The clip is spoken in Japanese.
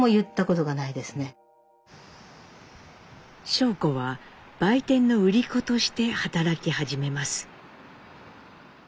尚子は売店の売り子として働き始めます。